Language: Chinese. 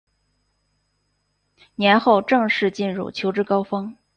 年后正式进入求职高峰